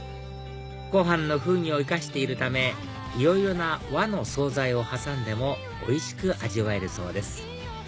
ご飯の風味を生かしているためいろいろな和の総菜を挟んでもおいしく味わえるそうです